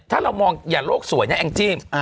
ถ้าเรามองอย่าโลกสวยนะแองจี้